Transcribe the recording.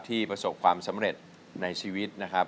ประสบความสำเร็จในชีวิตนะครับ